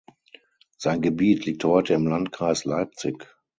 Sein Gebiet liegt heute im Landkreis Leipzig.